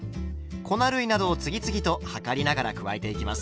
粉類などを次々と量りながら加えていきます。